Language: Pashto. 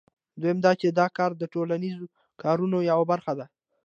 دویم دا چې دا کار د ټولنیزو کارونو یوه برخه ده